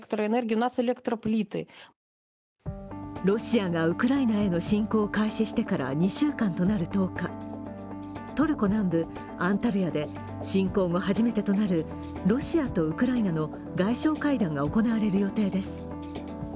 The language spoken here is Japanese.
ロシアがウクライナへの侵攻を開始してから２週間となる１０日、トルコ南部、アンタルヤで侵攻後初めてとなるロシアとウクライナの外相会談が行われる予定です。